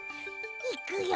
いくよ！